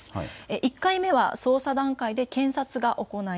１回目は捜査段階で検察が行い